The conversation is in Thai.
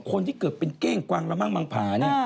คนที่เกิดเป็นเก้งกวางละมั่งมังผาเนี่ย